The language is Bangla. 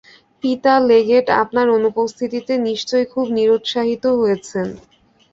পিতা লেগেট আপনার অনুপস্থিতিতে নিশ্চয়ই খুব নিরুৎসাহ হয়েছেন।